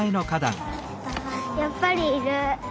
やっぱりいる。